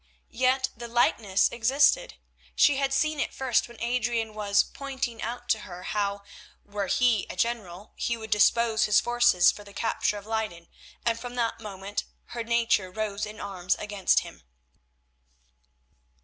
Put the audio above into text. Yet the likeness existed. She had seen it first when Adrian was pointing out to her how, were he a general, he would dispose his forces for the capture of Leyden, and from that moment her nature rose in arms against him.